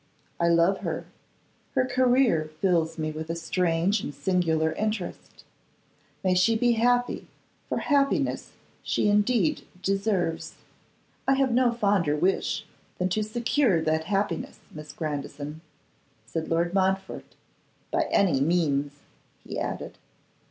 'I love her; her career fills me with a strange and singular interest. May she be happy, for happiness she indeed deserves!' 'I have no fonder wish than to secure that happiness, Miss Grandison,' said Lord Montfort; 'by any means,' he added.